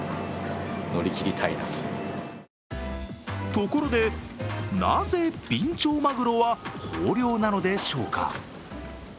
ところで、なぜビンチョウマグロは豊漁なのでしょうか。